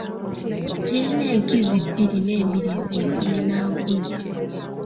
Kirina enkizi bbiri n'embiriizi nkumi na nkumi.